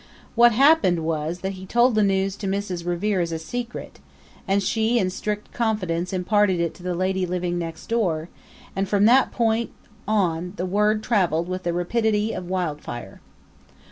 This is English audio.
What happened was that he told the news to Mrs. Revere as a secret, and she in strict confidence imparted it to the lady living next door; and from that point on the word traveled with the rapidity of wildfire.